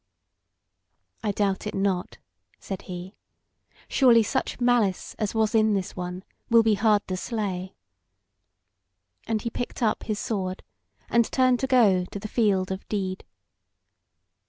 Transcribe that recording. "I doubt it not," said he; "surely such malice as was in this one will be hard to slay." And he picked up his sword, and turned to go to the field of deed.